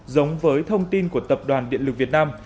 giống với thông tin của tập đoàn điện lực việt nam